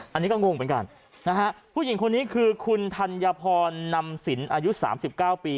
เอออันนี้ก็งงเหมือนกันนะฮะผู้หญิงคนนี้คือคุณทันยพรนำสินอายุสามสิบเก้าปี